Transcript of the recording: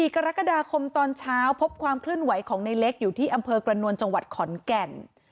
กรกฎาคมตอนเช้าพบความเคลื่อนไหวของในเล็กอยู่ที่อำเภอกระนวลจังหวัดขอนแก่น